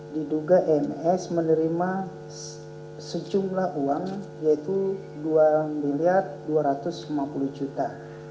diduga ems menerima sejumlah uang yaitu dua miliar dua ratus lima puluh juta